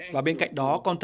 và bên cạnh đó còn thể